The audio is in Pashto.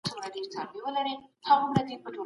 د زده کړې او کار ترمنځ اړیکه مهمه ده.